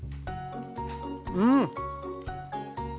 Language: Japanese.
うん！